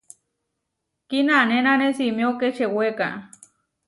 Kinanénane simió kečeweka.